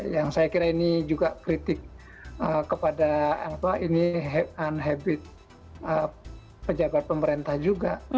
yang saya kira ini juga kritik kepada apa ini unhabit pejabat pemerintah juga